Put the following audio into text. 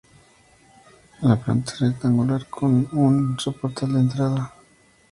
La planta es rectangular con un soportal de entrada.